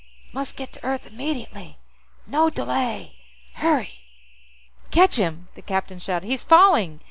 "Must get to Earth immediately. No delay. Hurry." "Catch him!" the captain shouted. "He's falling!"